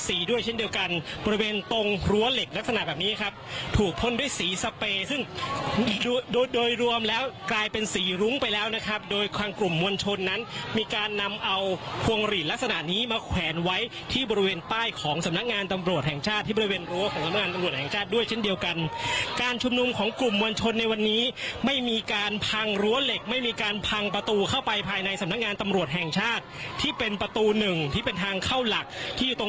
สีด้วยเช่นเดียวกันบริเวณตรงรั้วเหล็กลักษณะแบบนี้ครับถูกพลด้วยสีสเปซึ่งโดยรวมแล้วกลายเป็นสีรุ้งไปแล้วนะครับโดยความกลุ่มมวลชนนั้นมีการนำเอาภวงหลีนลักษณะนี้มาแขวนไว้ที่บริเวณป้ายของสำนักงานตำรวจแห่งชาติที่บริเวณรั้วของสำนักงานตำรวจแห่งชาติด้วยเช่นเดียวกัน